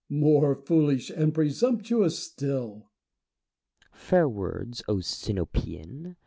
More foolish and presumptuous still ! Plato. Fair words, Sinopean